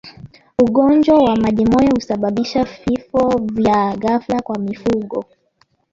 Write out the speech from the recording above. Ugonjwa wa majimoyo husababisha vifo vya ghafla kwa mifugo